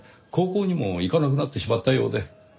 高校にも行かなくなってしまったようで。